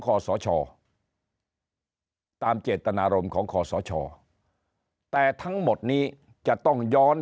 ขอสชตามเจตนารมณ์ของคอสชแต่ทั้งหมดนี้จะต้องย้อน